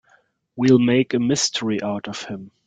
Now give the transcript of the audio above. We'll make a mystery out of him.